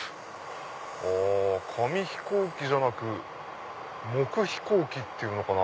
紙飛行機じゃなく木飛行機っていうのかな？